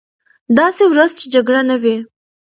داسې ورځ چې جګړه نه وي.